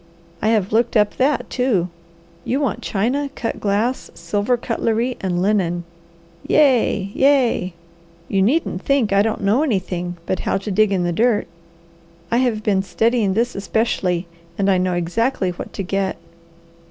I have looked up that, too. You want china, cut glass, silver cutlery, and linen. Ye! Ye! You needn't think I don't know anything but how to dig in the dirt. I have been studying this especially, and I know exactly what to get."